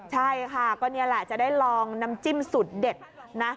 ใช่ค่ะก็นี่แหละจะได้ลองน้ำจิ้มสูตรเด็ดนะ